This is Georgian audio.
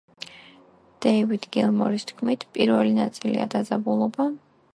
დეივიდ გილმორის თქმით, პირველი ნაწილია დაძაბულობა.